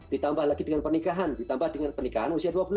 ditambah lagi dengan pernikahan ditambah dengan pernikahan usia dua belas